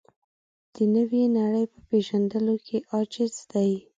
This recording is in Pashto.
د نوې نړۍ په پېژندلو کې عاجز دی.